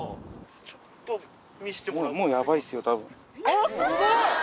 あっすごい！